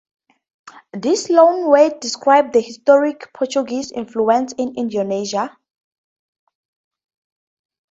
This loanword describe the historic Portuguese influence in Indonesia.